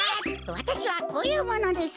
わたしはこういうものです。